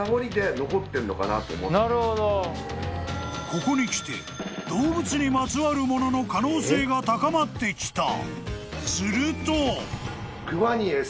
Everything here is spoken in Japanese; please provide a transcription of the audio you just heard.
［ここにきて動物にまつわるものの可能性が高まってきた。